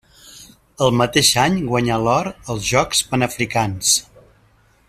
El mateix any guanyà l'or als Jocs Panafricans.